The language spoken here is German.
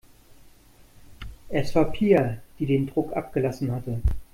Es war Pia, die den Druck abgelassen hatte.